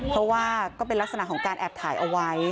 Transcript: เพราะว่าก็เป็นลักษณะของการแอบถ่ายเอาไว้